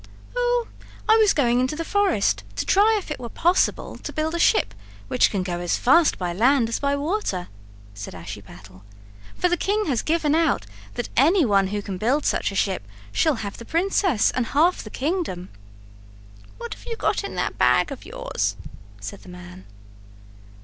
"Oh, I was going into the forest to try if it were possible to build a ship which can go as fast by land as by water," said Ashiepattle, "for the king has given out that anyone who can build such a ship shall have the princess and half the kingdom." "What have you got in that bag of yours?" said the man.